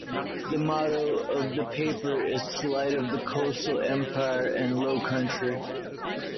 The motto of the paper is "Light of the Coastal Empire and Lowcountry".